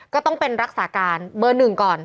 ก็ต้องเป็นรักษาการเบอร์หนึ่งก่อน